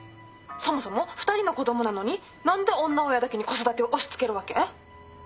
☎そもそも２人の子供なのに何で女親だけに子育てを押しつけるわけ？